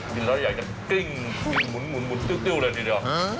กินแล้วอยากจะกลิ้งหมุนติ้วเลยทีเดียว